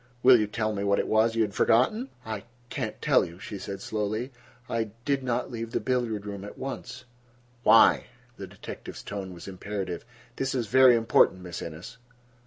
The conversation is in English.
"Will you tell me what it was you had forgotten?" "I can not tell you," she said slowly. "I—I did not leave the billiard room at once—" "Why?" The detective's tone was imperative. "This is very important, Miss Innes."